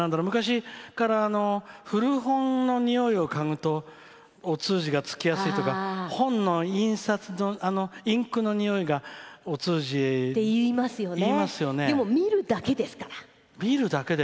昔から、古本のにおいを嗅ぐとお通じがつきやすいとか本のインクのにおいがお通じってでも見るだけですから。